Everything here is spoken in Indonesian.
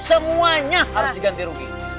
semuanya harus diganti rugi